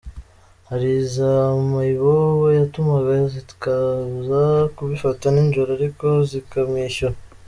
Hari za mayibobo yatumaga zikaza kubifata ninjoro ariko zikamwishyura.